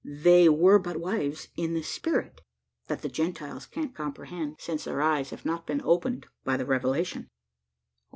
They were but wives in the spirit. That the Gentiles can't comprehend; since their eyes have not been opened by the Revelation."